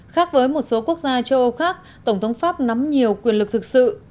khác với một số quốc gia châu âu khác tổng thống pháp nắm nhiều quyền lực thực sự